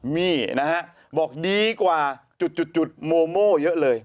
มี่นะฮะบอกดีกว่าจุดโมโม่เยอะเลย